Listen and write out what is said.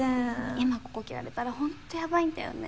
今ここ切られたらほんとヤバいんだよね。